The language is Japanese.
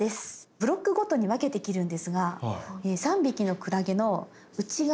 ブロックごとに分けて切るんですが３匹のクラゲの内側。